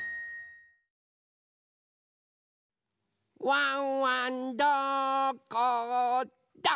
ワンワンどこだ？